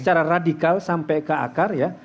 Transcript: secara radikal sampai ke akar ya